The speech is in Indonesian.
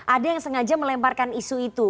ada yang sengaja melemparkan isu itu